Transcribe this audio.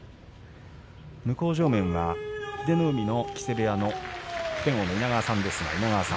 向正面は英乃海の木瀬部屋の普天王の稲川さんです。